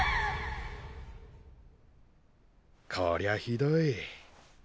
こりゃひどい。